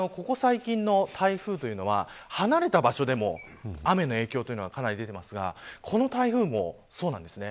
ここ最近の台風というのは離れた場所でも雨の影響というのはかなり出ていますがこの台風もそうなんです。